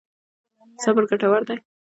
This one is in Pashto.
صبر ګټور دی.